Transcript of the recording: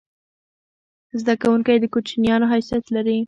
زده کوونکی د کوچنیانو حیثیت لري.